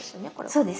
そうです。